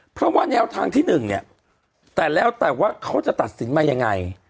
เพราะว่าแนวทางที่๑เนี่ยแต่แล้วแต่ว่าเขาจะตัดสินมายังไง